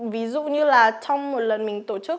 ví dụ như là trong một lần mình tổ chức